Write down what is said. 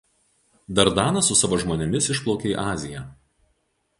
Dardanas su savo žmonėmis išplaukė į Aziją.